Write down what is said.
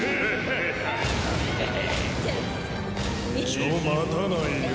ちょ待たないよ。